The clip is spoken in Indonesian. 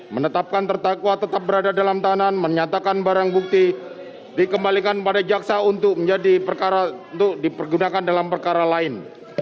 menetapkan terdakwa tetap berada dalam tahanan menyatakan barang bukti dikembalikan pada jaksa untuk menjadi perkara untuk dipergunakan dalam perkara lain